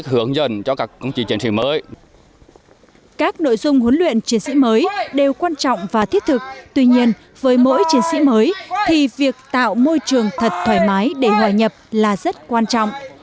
tuy nhiên với mỗi chiến sĩ mới thì việc tạo môi trường thật thoải mái để hòa nhập là rất quan trọng